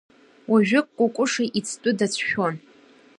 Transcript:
Уажәык Кәыкәыша ицҭәы дацәшәон.